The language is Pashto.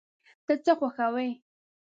ته څه خوښوې؟